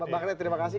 makannya terima kasih